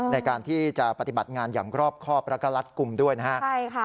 ในการที่จะปฏิบัติงานอย่างกรอบครอบรักษารัฐกลุ่มด้วยนะฮะ